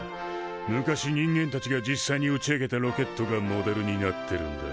昔人間たちが実際に打ち上げたロケットがモデルになってるんだ。